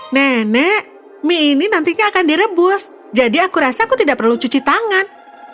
nenek mie ini nantinya akan direbus jadi aku rasa aku tidak perlu cuci tangan